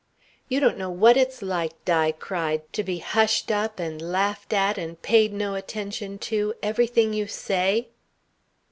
"You don't know what it's like," Di cried, "to be hushed up and laughed at and paid no attention to, everything you say."